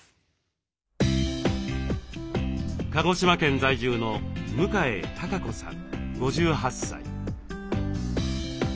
鹿児島県在住の向江貴子さん５８歳。